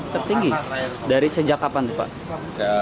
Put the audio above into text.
tertinggi dari sejak kapan pak